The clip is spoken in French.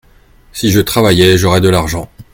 Si je travaillais, j’aurais de l’argent.